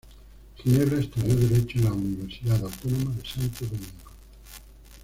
Ginebra estudió derecho en la Universidad Autónoma de Santo Domingo.